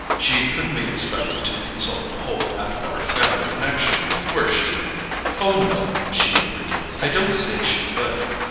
"She couldn't be expected to consult the whole Atwater family connection before she " "Oh, no," she agreed. "I don't say she could.